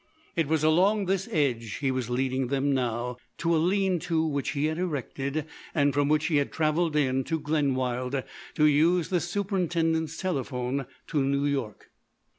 It was along this edge he was leading them, now, to a lean to which he had erected, and from which he had travelled in to Glenwild to use the superintendent's telephone to New York.